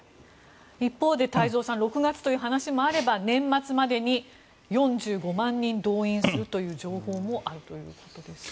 一方で、太蔵さん６月という話もあれば年末までに４５万人動員するという情報もあるということです。